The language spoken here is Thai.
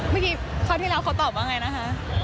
เมื่อกี้คราวที่แล้วเขาตอบว่าไงนะคะ